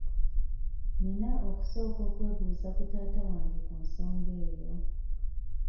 Nina okusooka okwebuuza ku taata wange ku nsonga eyo.